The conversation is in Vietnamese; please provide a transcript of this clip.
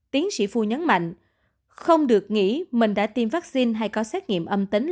tiến sĩ phu nhấn mạnh không được nghĩ mình đã tiêm vaccine hay có xét nghiệm âm tính